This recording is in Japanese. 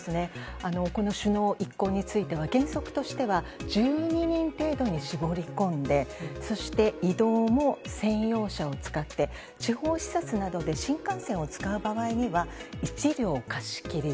首脳一行については原則としては１２人程度に絞り込んで、移動も専用車を使って地方視察などで新幹線を使う際は１両、貸し切り。